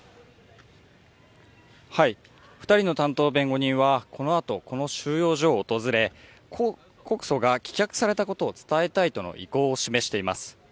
２人の担当弁護人はこのあとこの収容所を訪れ告訴が棄却されたことを伝えたいとの意向を示しています。